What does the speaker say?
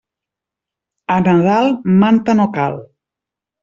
A Nadal manta no cal.